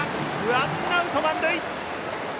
ワンアウト満塁。